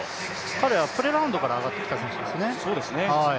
彼はプレラウンドから上がってきた選手ですね。